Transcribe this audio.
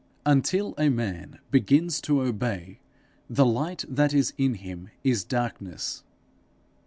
Until a man begins to obey, the light that is in him is darkness.